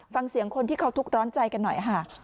ฟังเสียงคนที่เขาทุกข์ร้อนใจกันหน่อยค่ะ